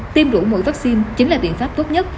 tiêm đủ mũi vaccine chính là biện pháp tốt nhất